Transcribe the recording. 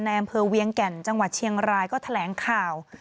อำเภอเวียงแก่นจังหวัดเชียงรายก็แถลงข่าว